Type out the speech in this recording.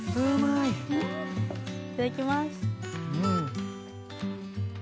いただきます。